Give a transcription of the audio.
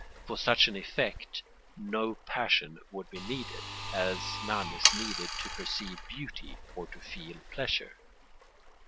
For such an effect no passion would be needed, as none is needed to perceive beauty or to feel pleasure.